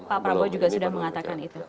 pak prabowo juga sudah mengatakan itu